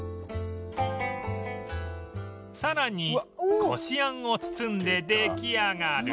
さらにこしあんを包んで出来上がる